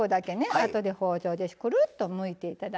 あとで包丁でくるっとむいていただきます。